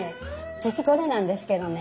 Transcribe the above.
父これなんですけどね。